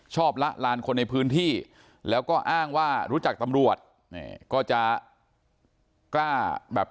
ละลานคนในพื้นที่แล้วก็อ้างว่ารู้จักตำรวจก็จะกล้าแบบ